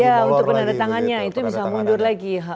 iya untuk penandatangannya itu bisa mundur lagi